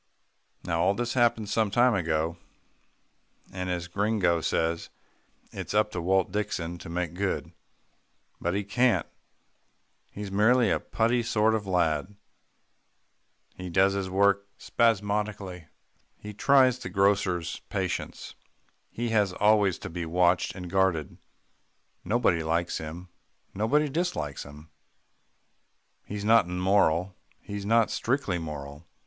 Now all this happened some time ago, and as Gringo says, "It's up to Walt Dixon to make good." But he can't. He's merely a putty sort of lad. He does his work spasmodically, he tries the grocer's patience, he has always to be watched and guarded. Nobody likes him, nobody dislikes him. He's not immoral, and not strictly moral.